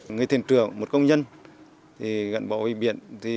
người thiền trưởng một công nhân gắn bảo vệ biển